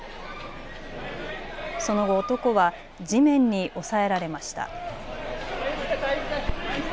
その後、男は地面に押さえられました。